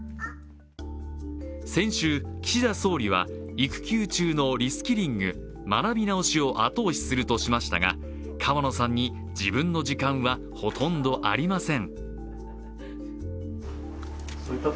先週、岸田総理は育休中のリスキリング＝学び直しを後押しするとしましたが、川野さんに自分の時間はほとんどありません。